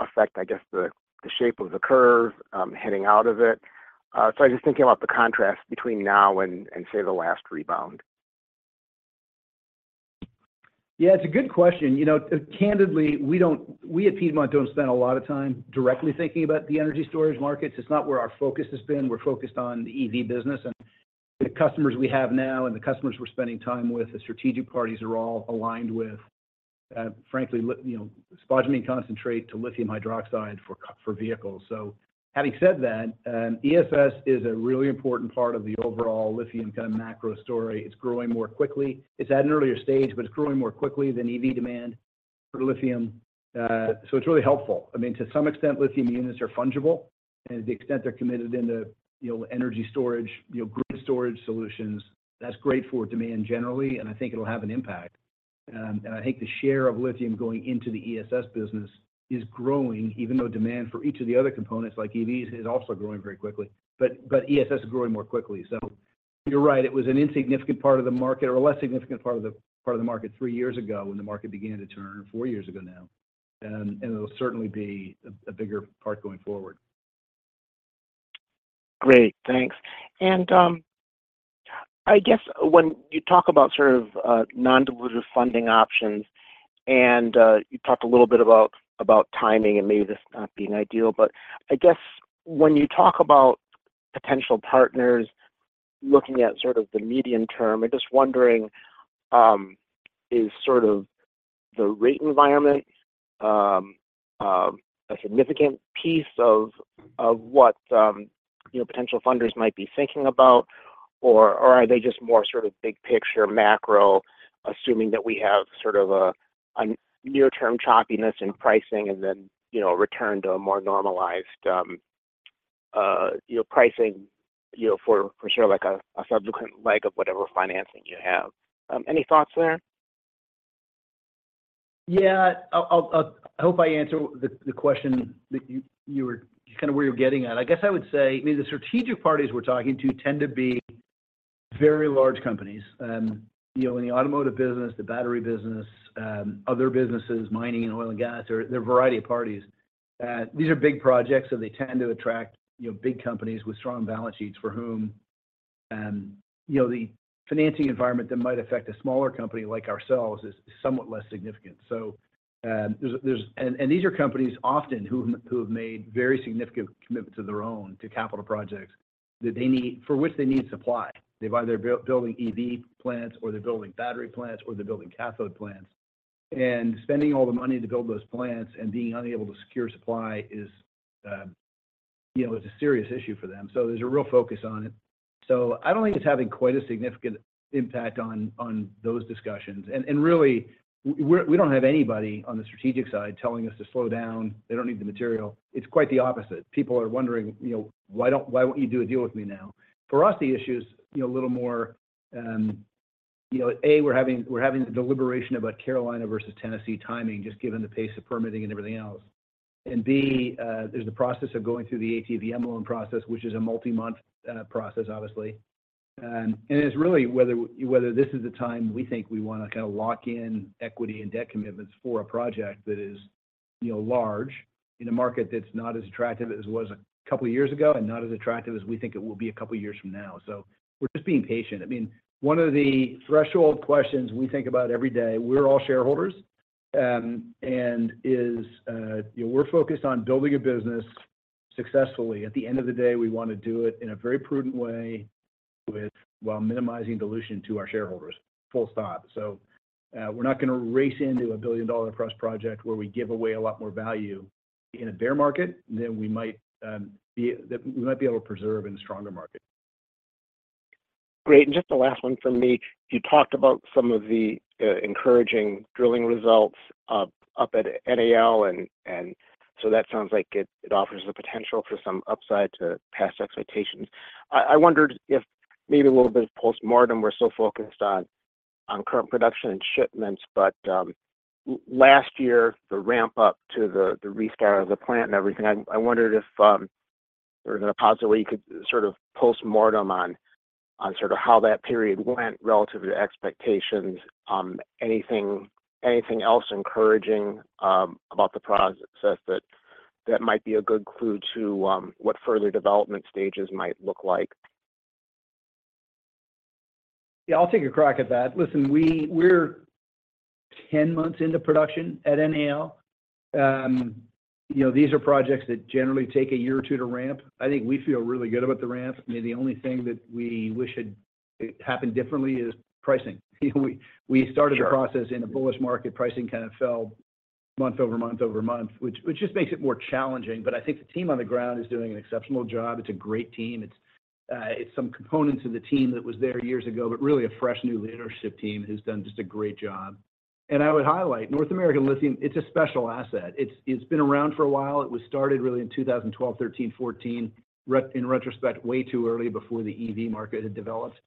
affect, I guess, the, the shape of the curve, heading out of it. So I'm just thinking about the contrast between now and, and say, the last rebound. Yeah, it's a good question. You know, candidly, we don't, we at Piedmont don't spend a lot of time directly thinking about the energy storage markets. It's not where our focus has been. We're focused on the EV business and the customers we have now, and the customers we're spending time with, the strategic parties are all aligned with, frankly, you know, spodumene concentrate to lithium hydroxide for vehicles. So having said that, ESS is a really important part of the overall lithium kind of macro story. It's growing more quickly. It's at an earlier stage, but it's growing more quickly than EV demand for lithium. So it's really helpful. I mean, to some extent, lithium units are fungible, and to the extent they're committed into, you know, energy storage, you know, grid storage solutions, that's great for demand generally, and I think it'll have an impact. And I think the share of lithium going into the ESS business is growing, even though demand for each of the other components, like EVs, is also growing very quickly. But ESS is growing more quickly. So you're right, it was an insignificant part of the market or a less significant part of the market three years ago when the market began to turn, four years ago now, and it'll certainly be a bigger part going forward. Great, thanks. And, I guess when you talk about sort of non-dilutive funding options, and you talked a little bit about timing and maybe this not being ideal, but I guess when you talk about potential partners looking at sort of the medium term, I'm just wondering, is sort of the rate environment a significant piece of what you know, potential funders might be thinking about? Or are they just more sort of big picture macro, assuming that we have sort of a near-term choppiness in pricing and then, you know, return to a more normalized you know, pricing, you know, for sure, like a subsequent leg of whatever financing you have. Any thoughts there? Yeah. I'll—I hope I answer the question that you were kind of where you're getting at. I guess I would say, I mean, the strategic parties we're talking to tend to be very large companies, you know, in the automotive business, the battery business, other businesses, mining and oil and gas, or they're a variety of parties. These are big projects, so they tend to attract, you know, big companies with strong balance sheets for whom, you know, the financing environment that might affect a smaller company like ourselves is somewhat less significant. So, there's—And these are companies often who have made very significant commitments of their own to capital projects that they need for which they need supply. They're either building EV plants, or they're building battery plants, or they're building cathode plants. And spending all the money to build those plants and being unable to secure supply is, you know, it's a serious issue for them, so there's a real focus on it. So I don't think it's having quite a significant impact on those discussions. And really, we don't have anybody on the strategic side telling us to slow down. They don't need the material. It's quite the opposite. People are wondering, you know, "Why won't you do a deal with me now?" For us, the issue is, you know, a little more, you know, A, we're having the deliberation about Carolina versus Tennessee timing, just given the pace of permitting and everything else. And B, there's the process of going through the ATVM loan process, which is a multi-month process, obviously. And it's really whether this is the time we think we wanna lock in equity and debt commitments for a project that is, you know, large, in a market that's not as attractive as it was a couple of years ago and not as attractive as we think it will be a couple of years from now. So we're just being patient. I mean, one of the threshold questions we think about every day, we're all shareholders, and is, you know, we're focused on building a business successfully. At the end of the day, we want to do it in a very prudent way while minimizing dilution to our shareholders. Full stop. So, we're not gonna race into a billion-dollar plus project where we give away a lot more value in a bear market than we might be able to preserve in a stronger market. Great. And just the last one from me. You talked about some of the encouraging drilling results up, up at NAL, and, and so that sounds like it, it offers the potential for some upside to past expectations. I, I wondered if maybe a little bit of postmortem, we're so focused on, on current production and shipments, but last year, the ramp up to the, the restart of the plant and everything, I, I wondered if there's a positive way you could sort of postmortem on, on sort of how that period went relative to expectations. Anything, anything else encouraging about the process that, that might be a good clue to what further development stages might look like? Yeah, I'll take a crack at that. Listen, we're 10 months into production at NAL. You know, these are projects that generally take a year or two to ramp. I think we feel really good about the ramp. I mean, the only thing that we wish had happened differently is pricing. We started the process in a bullish market. Pricing kind of fell month-over-month, which just makes it more challenging. But I think the team on the ground is doing an exceptional job. It's a great team. It's some components of the team that was there years ago, but really a fresh new leadership team who's done just a great job. And I would highlight North American Lithium; it's a special asset. It's been around for a while. It was started really in 2012, 2013, 2014, in retrospect, way too early before the EV market had developed.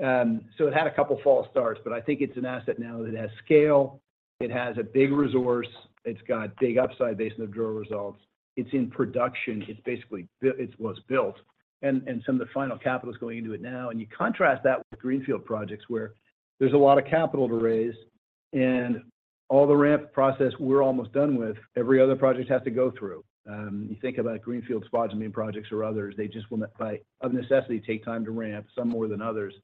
So it had a couple of false starts, but I think it's an asset now that has scale. It has a big resource. It's got big upside based on the drill results. It's in production. It's basically built, and some of the final capital is going into it now. You contrast that with greenfield projects, where there's a lot of capital to raise and all the ramp process we're almost done with, every other project has to go through. You think about greenfield spodumene projects or others, they just will, by of necessity, take time to ramp, some more than others.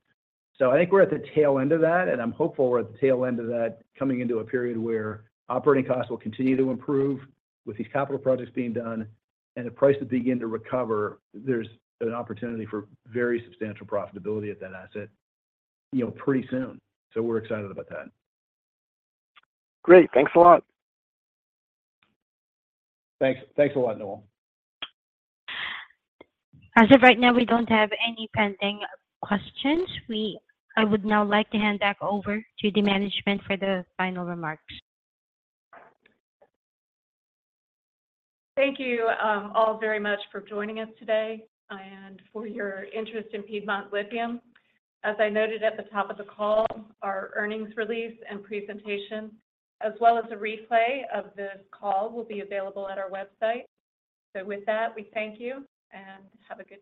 So I think we're at the tail end of that, and I'm hopeful we're at the tail end of that, coming into a period where operating costs will continue to improve with these capital projects being done and the price will begin to recover. There's an opportunity for very substantial profitability at that asset, you know, pretty soon. So we're excited about that. Great. Thanks a lot. Thanks. Thanks a lot, Noel. As of right now, we don't have any pending questions. I would now like to hand back over to the management for the final remarks. Thank you, all very much for joining us today and for your interest in Piedmont Lithium. As I noted at the top of the call, our earnings release and presentation, as well as a replay of this call, will be available at our website. With that, we thank you, and have a good day.